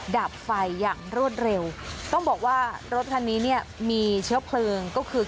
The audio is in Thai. ดับไฟอย่างรวดเร็วต้องบอกว่ารถคันนี้เนี่ยมีเชื้อเพลิงก็คือ